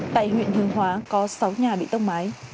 tại huyện hương hóa có sáu nhà bị tốc mái